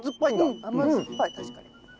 うん甘酸っぱい確かに。